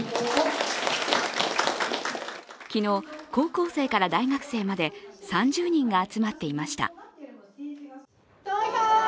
昨日、高校生から大学生まで３０人が集まっていました。